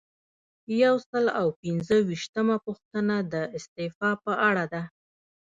یو سل او پنځه ویشتمه پوښتنه د استعفا په اړه ده.